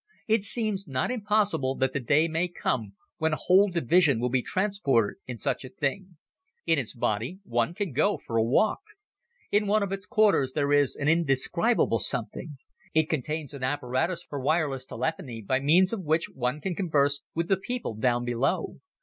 It seems not impossible that the day may come when a whole division will be transported in such a thing. In its body one can go for a walk. In one of its corners there is an indescribable something. It contains an apparatus for wireless telephony by means of which one can converse with the people down below.